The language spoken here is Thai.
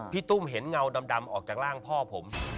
ตุ้มเห็นเงาดำออกจากร่างพ่อผม